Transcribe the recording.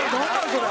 それ。